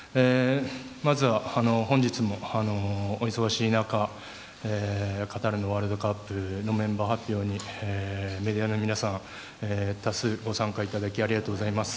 まずは本日もお忙しい中カタールのワールドカップのメンバー発表にメディアの皆さん多数ご参加いただきありがとうございます。